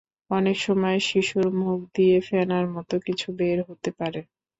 অনেক সময় শিশুর মুখ দিয়ে ফেনার মতো কিছু বের হতে পারে।